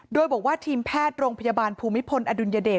โดยบอกว่าทีมแพทย์โรงพยาบาลภูมิพลอดุลยเดช